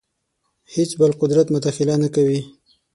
هېڅ بل قدرت مداخله نه کوي.